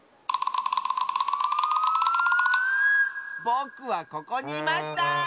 ぼくはここにいました！